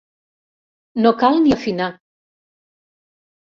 No cal ni afinar!